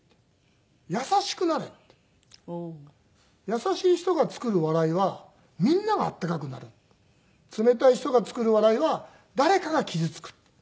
「優しい人が作る笑いはみんながあったかくなる」「冷たい人が作る笑いは誰かが傷つく」